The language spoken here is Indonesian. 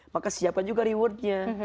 maka siapkan juga rewardnya